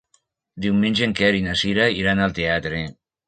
Diumenge en Quer i na Cira iran al teatre.